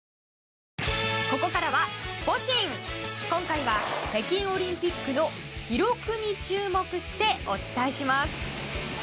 今回は北京オリンピックの記録に注目してお伝えします。